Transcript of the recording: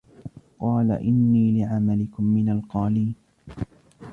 قال إني لعملكم من القالين